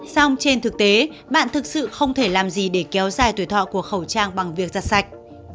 xong trên thực tế bạn thực sự không thể làm gì để kéo dài tuổi thọ của khẩu trang bằng việc giặt sạch